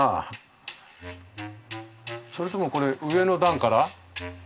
それともこれ上の段から？